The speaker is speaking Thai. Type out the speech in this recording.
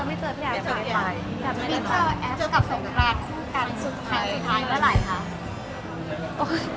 มิ้นเธอเจอกับโศครันคู่กันสุดท้ายเมื่อไหร่คะ